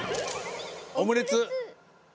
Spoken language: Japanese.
「オムレツ」。